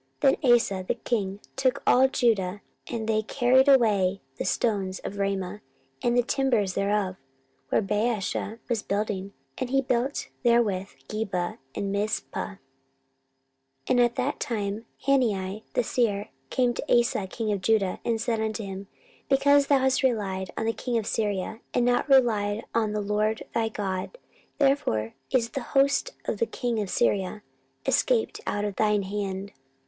14:016:006 Then Asa the king took all Judah; and they carried away the stones of Ramah, and the timber thereof, wherewith Baasha was building; and he built therewith Geba and Mizpah. 14:016:007 And at that time Hanani the seer came to Asa king of Judah, and said unto him, Because thou hast relied on the king of Syria, and not relied on the LORD thy God, therefore is the host of the king of Syria escaped out of thine hand.